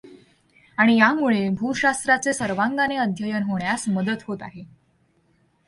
आणि यामुळे भू शास्त्राचे सर्वांगाने अध्ययन होण्यास मदत होत आहे.